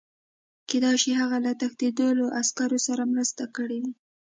کېدای شي هغه له تښتېدلو عسکرو سره مرسته کړې وي